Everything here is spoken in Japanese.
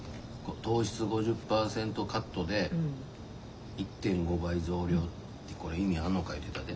糖質５０％カットで１．５倍増量ってこれ意味あんのか言うてたで。